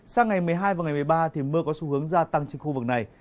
sang ngày một mươi hai và ngày một mươi ba thì mưa có xu hướng gia tăng trên khu vực này